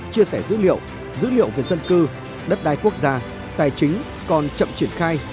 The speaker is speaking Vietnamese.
chia sẻ dữ liệu dữ liệu về dân cư đất đai quốc gia tài chính còn chậm triển khai